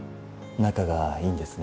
仲がいいんですね